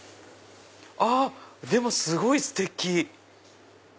あっすごいステキ！